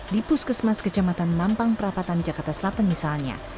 di puskesmas kecamatan nampang perapatan jakarta selatan misalnya